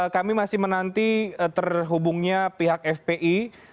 kami masih menanti terhubungnya pihak fpi